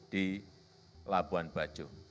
di labuan bajo